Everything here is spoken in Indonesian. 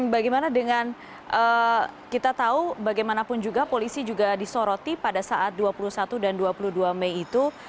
bagaimana dengan kita tahu bagaimanapun juga polisi juga disoroti pada saat dua puluh satu dan dua puluh dua mei itu